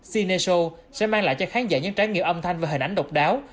cine show sẽ mang lại cho khán giả những trải nghiệm âm thanh và hình ảnh độc đáo